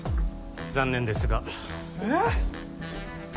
残念ですがええ！？